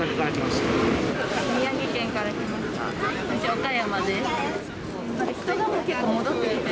宮城県から来ました。